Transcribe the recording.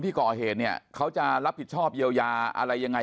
ก่อเหตุเนี่ยเขาจะรับผิดชอบเยียวยาอะไรยังไง